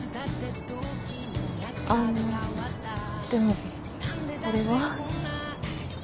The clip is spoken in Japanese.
あのでもこれは？